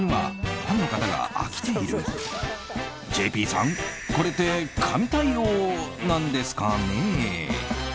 ＪＰさん、これって神対応なんですかね？